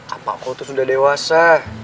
apa aku tuh sudah dewasa